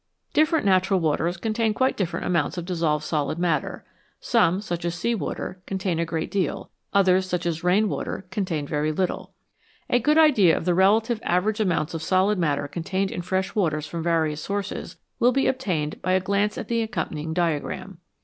Different natural waters contain quite different amounts of dissolved solid matter. Some, such as sea water, con tain a great deal ; others, such as rain water, contain very little. A good idea of the relative average amounts 98 NATURAL WATERS of solid matter contained in fresh waters from various sources will be obtained by a glance at the accompanying diagram.